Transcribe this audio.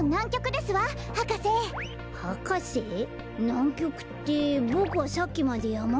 なんきょくってボクはさっきまでやまびこ村に。